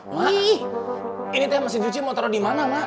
mak ini teh masih nyuci mau taruh di mana mak